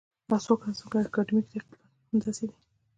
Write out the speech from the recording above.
دا څو کاله زموږ اکاډمیک تحقیقات همداسې دي.